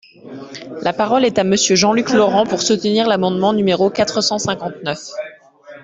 La parole est à Monsieur Jean-Luc Laurent, pour soutenir l’amendement numéro quatre cent cinquante-neuf.